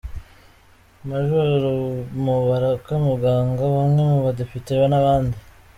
Major Mubaraka Muganga, bamwe mu badepite, n’abandi.